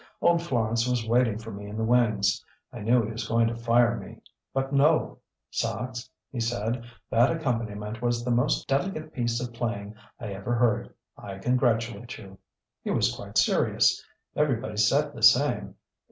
Old Florance was waiting for me in the wings. I knew he was going to fire me. But no! 'Sachs,' he said, 'that accompaniment was the most delicate piece of playing I ever heard. I congratulate you.' He was quite serious. Everybody said the same!